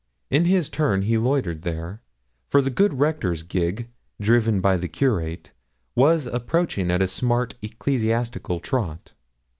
In his turn he loitered there, for the good Rector's gig, driven by the Curate, was approaching at a smart ecclesiastical trot.